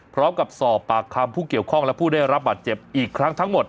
พร้อมกับสอบปากคำผู้เกี่ยวข้องและผู้ได้รับบาดเจ็บอีกครั้งทั้งหมด